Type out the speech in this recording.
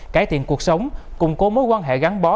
cải thiện cuộc sống củng cố mối quan hệ gắn bó